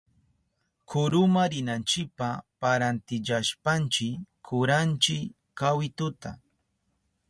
Karuma rinanchipa parantillashpanchi churanchi kawituta.